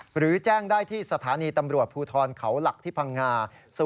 หรือแจ้งได้ที่สถานีตำรวจภูทรเขาหลักที่พังงา